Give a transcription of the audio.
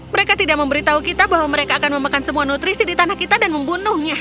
mereka tidak memberitahu kita bahwa mereka akan memakan semua nutrisi di tanah kita dan membunuhnya